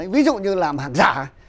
ví dụ như làm hàng giả